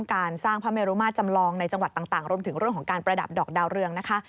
การสร้างพระเมรุมาตรจำลองในจังหวัดต่างรวมถึงเรื่องของการประดับดอกดาวเรืองนะคะ